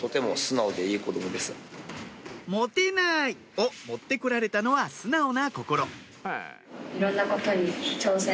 「持てない」を持ってこられたのは素直な心